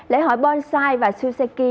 lễ hội bonsai và suzuki